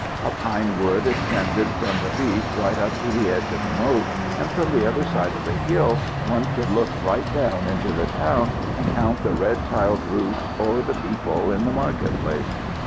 A pine wood extended from the beach right up to the edge of the moat, and from the other side of the hill one could look right down into the town and count the red tiled roofs, or the people in the market place.